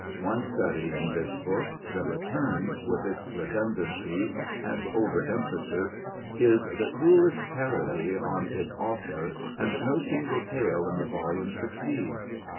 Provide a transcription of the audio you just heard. One study in this book, The Return, with its redundancies and overemphasis, is the cruelest parody on its author and no single tale in the volume succeeds.